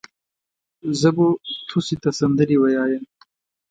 زه بو توسې ته سندرې ويايم.